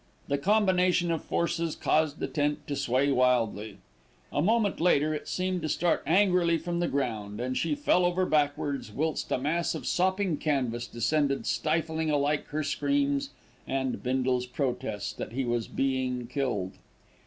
The combination of forces caused the tent to sway wildly. A moment later, it seemed to start angrily from the ground, and she fell over backwards, whilst a mass of sopping canvas descended, stifling alike her screams and Bindle's protests that he was being killed.